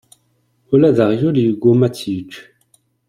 Ula d aɣyul yegguma ad tt-yečč.